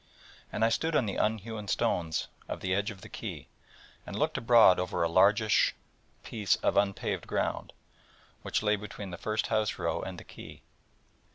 And I stood on the unhewn stones of the edge of the quay, and looked abroad over a largish piece of unpaved ground, which lay between the first house row and the quay.